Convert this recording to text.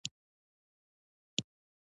په هره خونه کښې لس لس کسان پرېوتل.